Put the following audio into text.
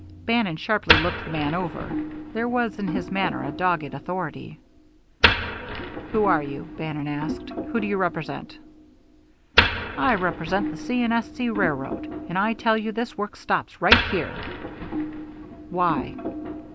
Bannon sharply looked the man over. There was in his manner a dogged authority. "Who are you?" Bannon asked. "Who do you represent?" "I represent the C. & S. C. railroad, and I tell you this work stops right here." "Why?"